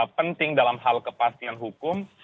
penting dalam hal kepastian hukum